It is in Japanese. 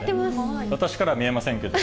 私からは見えませんけど。